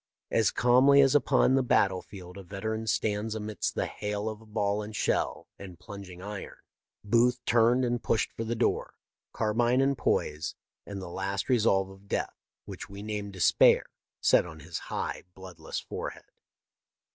As calmly as upon the battle field a veteran stands amidst the hail of ball and shell and plunging iron. Booth turned and pushed for the door, carbine in poise, and the last resolve of death, which we name despair, set on his high, bloodless forehead.